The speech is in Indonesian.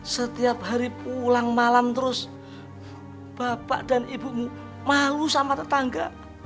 setiap hari pulang malam terus bapak dan ibumu malu sama tetangga